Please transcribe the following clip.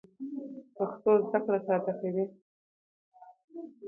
پښتو زده کړه ساده کوي.